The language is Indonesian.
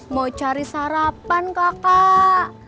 mau cari sarapan kakak